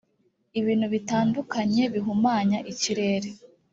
ibintu bitandukanye bihumanya ikirere.